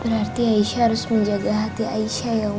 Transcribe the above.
berarti aisyah harus menjaga hati aisyah ya